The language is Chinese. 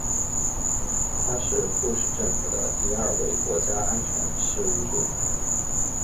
他是布什政府的第二位国家安全事务助理。